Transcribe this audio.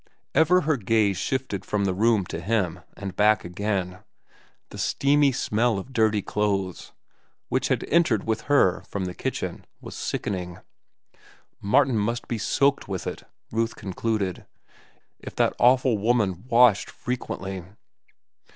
Ever her gaze shifted from the room to him and back again. The steamy smell of dirty clothes, which had entered with her from the kitchen, was sickening. Martin must be soaked with it, Ruth concluded, if that awful woman washed frequently.